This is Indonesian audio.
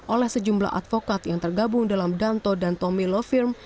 oleh sejumlah advokat yang tergabung dalam danto dan tommy lofirm